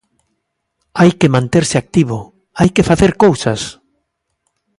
Hai que manterse activo, hai que facer cousas.